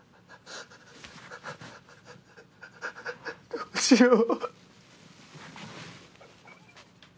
どうしよう。